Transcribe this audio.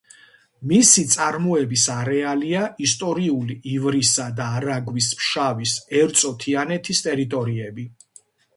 მისი წარმოების არეალია ისტორიული ივრისა და არაგვის ფშავის, ერწო-თიანეთის ტერიტორიები.